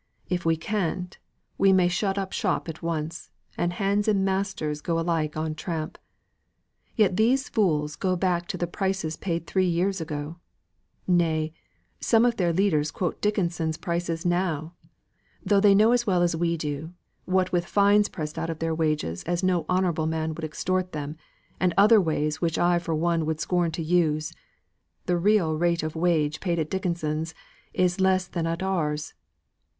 If we can't, we may shut up shop at once, and hands and masters alike go on tramp. Yet these fools go back to the prices paid three years ago nay, some of their leaders quote Dickinson's price now though they know as well as we do that, what with fines pressed out of their wages, as no honourable man would extort them, the real rate of wage paid at Dickinson's is less than at ours.